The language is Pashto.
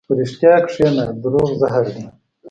په رښتیا کښېنه، دروغ زهر دي.